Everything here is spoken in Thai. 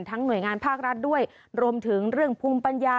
หน่วยงานภาครัฐด้วยรวมถึงเรื่องภูมิปัญญา